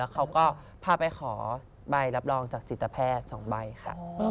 เขาก็พาไปขอใบรับรองจากจิตแพทย์๒ใบค่ะ